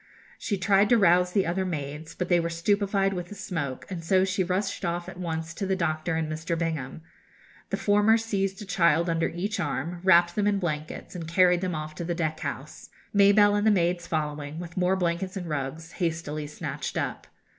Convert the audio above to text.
She tried to rouse the other maids, but they were stupefied with the smoke, and so she rushed off at once to the doctor and Mr. Bingham. The former seized a child under each arm, wrapped them in blankets, and carried them off to the deck house, Mabelle and the maids following, with more blankets and rugs, hastily snatched up.